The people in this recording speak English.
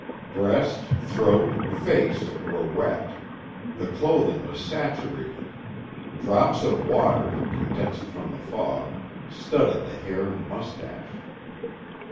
Breast, throat, face, were wet; the clothing was saturated; drops of water, condensed from the fog, studded the hair and mustache.